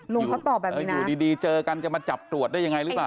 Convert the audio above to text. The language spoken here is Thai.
เขาตอบแบบนี้อยู่ดีเจอกันจะมาจับตรวจได้ยังไงหรือเปล่า